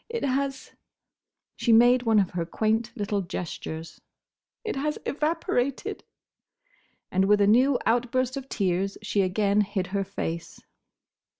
It has"—she made one of her quaint little gestures—"it has—evaporated!" And with a new outburst of tears she again hid her face.